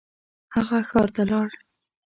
هغه ښار ته لاړ.